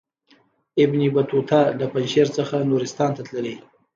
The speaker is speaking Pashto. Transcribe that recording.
ابن بطوطه له پنجشیر څخه نورستان ته تللی.